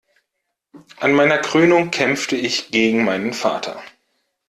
An meiner Krönung kämpfte ich gegen meinen Vater.